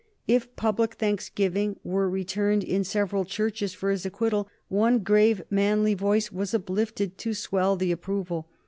If public thanksgiving were returned in several churches for his acquittal, one grave manly voice was uplifted to swell the approval.